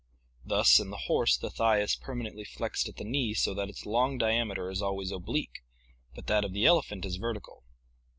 Thus in the horse the thigh is permanently flexed at the knee so that its long diameter is always oblique, but that of the elephant is vertical.